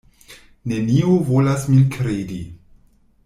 Neniu volas min kredi.